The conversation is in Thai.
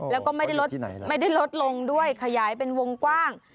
แล้วก็ไม่ได้ลดลงด้วยขยายเป็นวงกว้าง